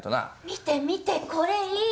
見て見てこれいい。